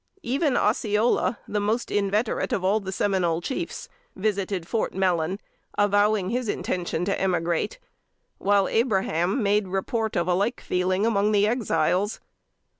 Even Osceola, the most inveterate of all the Seminole chiefs, visited Fort Mellon, avowing his intention to emigrate; while Abraham made report of a like feeling among the Exiles.